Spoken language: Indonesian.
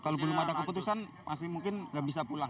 kalau belum ada keputusan mungkin masih tidak bisa pulang